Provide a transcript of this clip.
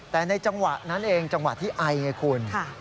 แต่ในจังหวะนั้นเองจังหวะที่ไอไงคุณ